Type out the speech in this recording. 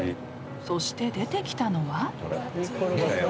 ［そして出てきたのは］